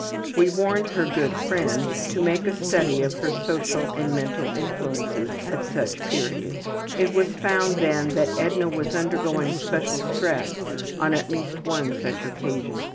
We warned her good friend to make a study of her social and mental influences at such periods. It was found then that Edna was undergoing special stress on at least one such occasion.